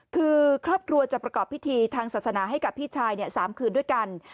คือครอบครัวจะประกอบพิธีทางศาสนาให้กับพี่ชาย๓คืนด้วยกัน